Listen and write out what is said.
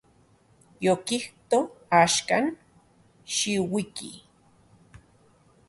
Yokijto; axkan, xiuiki.